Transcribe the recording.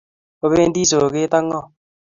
Opendi soget ak ng'o?